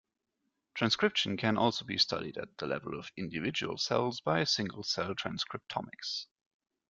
Transcription can also be studied at the level of individual cells by single-cell transcriptomics.